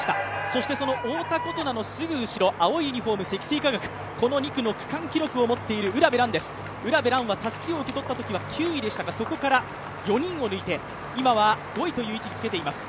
そしてそのすぐ後ろ、青いユニフォーム積水化学この２区の区間記録を持つ卜部蘭はたすきを受け取ったときは９位でしたがそこから４人を抜いて、今は５位という位置につけています。